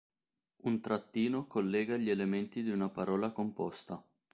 Un trattino collega gli elementi di una parola composta.